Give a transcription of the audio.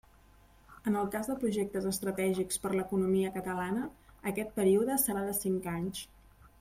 En el cas de projectes estratègics per l'economia catalana, aquest període serà de cinc anys.